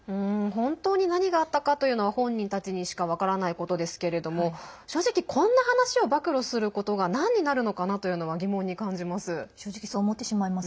本当に何があったのかというのは本人たちにしか分からないことですけれども正直こんな話を暴露することが何になるのかなというのは疑問に感じます。